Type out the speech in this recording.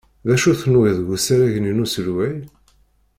D acu i tenwiḍ g usarag-nni n uselway?